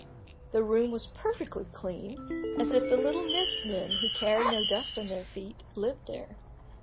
The room was perfectly clean, as if the little mist men, who carry no dust on their feet, lived there.